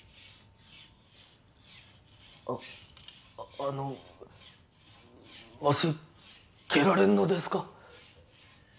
あのわし蹴られんのですか？